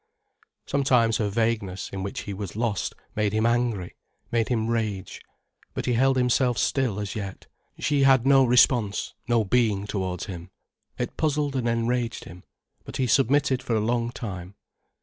Sometimes her vagueness, in which he was lost, made him angry, made him rage. But he held himself still as yet. She had no response, no being towards him. It puzzled and enraged him, but he submitted for a long time.